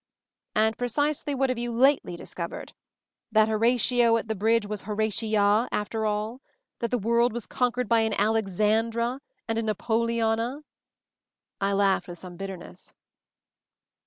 " And precisely what have you lately dis covered? That Horatio at the bridge was Horatia, after all? That the world was con quered by an Alexandra — and a Napo leona?" I laughed with some bitterness.